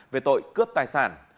về tội cướp tài sản